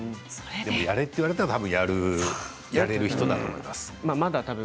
やれと言われたらやれる人だと思います。